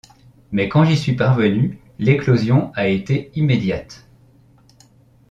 Mais quand j’y suis parvenu, l’éclosion a été immédiate.